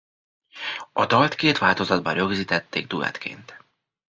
A dalt két változatban rögzítették duettként.